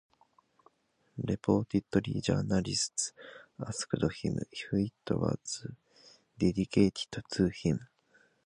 Reportedly journalists asked him if it was dedicated to him.